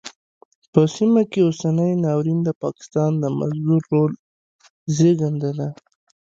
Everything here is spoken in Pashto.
په سیمه کې اوسنی ناورین د پاکستان د مزدور رول زېږنده ده.